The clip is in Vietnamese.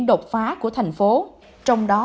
độc phá của thành phố trong đó